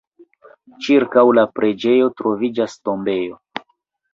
Ĉirkaŭ la preĝejo troviĝas tombejo.